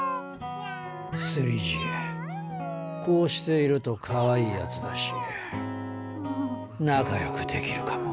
スリジエこうしているとかわいいやつだし仲よくできるかも。